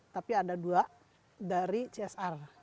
tapi ada dua dari csr